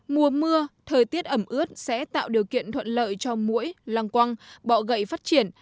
mùa mưa thời tiết ẩm ướt sẽ tạo điều kiện thuận lợi cho mũi lăng quăng bọ gậy phát triển